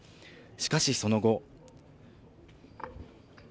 しかし、その後。